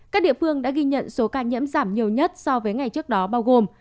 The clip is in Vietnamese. các địa phương đã ghi nhận số ca nhiễm giảm nhiều nhất so với ngày trước đó bao gồm